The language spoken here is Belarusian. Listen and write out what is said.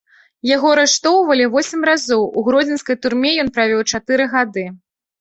Яго арыштоўвалі восем разоў, у гродзенскай турме ён правёў чатыры гады.